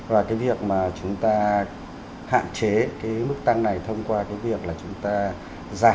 và việc chúng ta hạn chế mức tăng này thông qua việc chúng ta giải